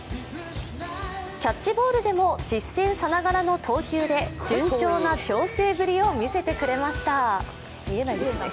キャッチボールでも実戦さながらの投球で順調な調整ぶりを見せてくれました。